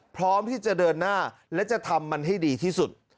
พร้อมที่จะเดินหน้าและจะทำมันให้ดีที่สุด